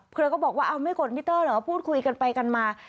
เธอก็บอกว่าเอาไม่กดมิเตอร์เหรอพูดคุยกันไปกันมา